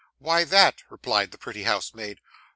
'Why, that,' replied the pretty housemaid.